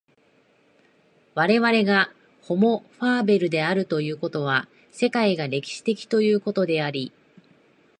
我々がホモ・ファーベルであるということは、世界が歴史的ということであり、